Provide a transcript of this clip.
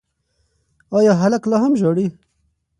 ایا هلک لا هم ژاړي؟